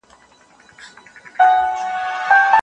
کوم مواد د سرو کرویاتو د ودې لپاره کارول کېږي؟